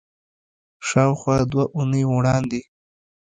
شاوخوا دوه اونۍ وړاندې